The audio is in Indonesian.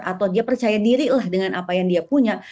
atau dia percaya diri lah dengan apa yang dia punya